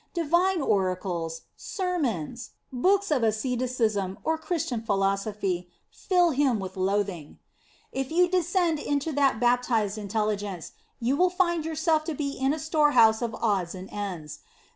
Divine oracles, sermons, 7O The Sign of the Cross books of asceticism, or Christian philosophy, fill him with bathing o If you descend into that baptized intelligence, you will think yourself to be in a storehouse of odds and ends.